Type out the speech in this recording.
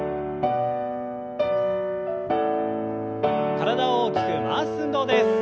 体を大きく回す運動です。